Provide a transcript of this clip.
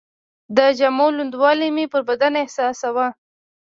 د جامو لوندوالی مې پر بدن احساساوه.